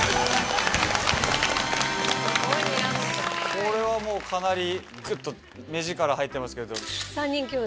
これはもうかなりグッと目力入ってますけど。